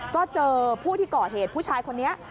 ก็เจอผู้ที่ก่อเหตุผู้ชายคนนี้